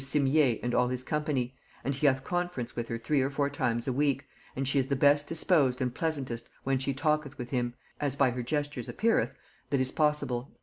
Simier and all his company, and he hath conference with her three or four times a week, and she is the best disposed and pleasantest when she talketh with him (as by her gestures appeareth) that is possible."